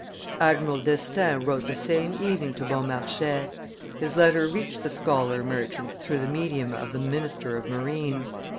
Admiral d'Estaing wrote the same evening to Beaumarchais; his letter reached the scholar merchant through the medium of the minister of marine.